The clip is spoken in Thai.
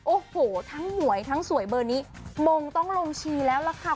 โอ้โหทั้งหวยทั้งสวยเบอร์นี้มงต้องลงชีแล้วล่ะค่ะ